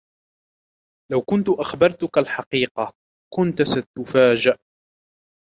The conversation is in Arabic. لو كنت أخبرتَك الحقيقة, كنتَ ستُفاجأ.